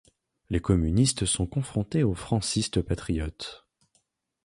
Les communistes sont confrontés aux francistes patriotes.